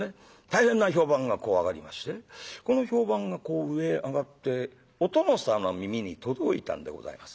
大変な評判がこう上がりましてこの評判が上へ上がってお殿様の耳に届いたんでございますな。